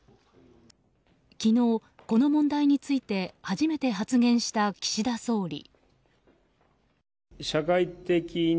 昨日、この問題について初めて発言した岸田総理。